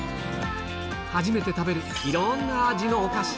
初めて食べるいろんな味のお菓子。